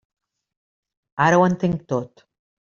Ara ho entenc tot.